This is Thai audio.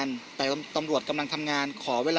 มันไม่ใช่แหละมันไม่ใช่แหละ